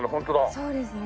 そうですね。